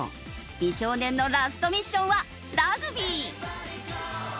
美少年のラストミッションはラグビー。